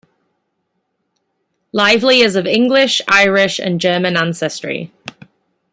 Lively is of English, Irish and German ancestry.